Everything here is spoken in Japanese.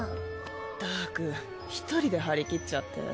ったく１人で張り切っちゃって。